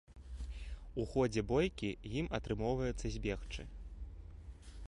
У ходзе бойкі ім атрымоўваецца збегчы.